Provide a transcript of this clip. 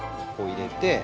ここ入れて。